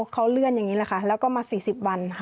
เขาเลื่อนอย่างนี้แหละค่ะแล้วก็มา๔๐วันค่ะ